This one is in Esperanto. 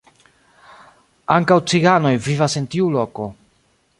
Ankaŭ ciganoj vivas en tiu loko.